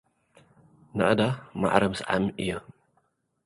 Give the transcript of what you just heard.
ናእዳ ማዕረ ምስዓም እዩ።